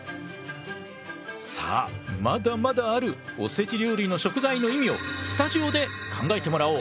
さあまだまだあるおせち料理の食材の意味をスタジオで考えてもらおう。